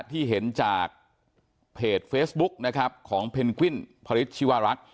ที่เห็นจากเพจเฟซบุ๊กนะครับของเพนกวินพริษชีวรักษ์